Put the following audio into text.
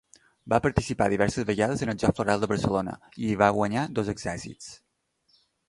Va participar diverses vegades als Jocs Florals de Barcelona, i hi va guanyar dos accèssits.